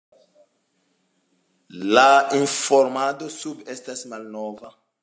La informado sube estas malnova.